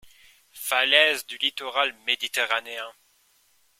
Falaises du littoral méditerranéen.